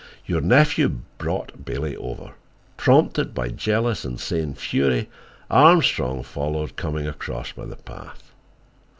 Your nephew brought Bailey over. Prompted by jealous, insane fury, Armstrong followed, coming across by the path.